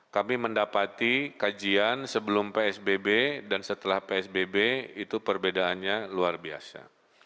kami mendapati kajian sebelum psbb dan setelah psbb itu perbedaannya luar biasa